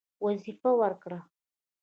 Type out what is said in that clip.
وظیفه ورکړه.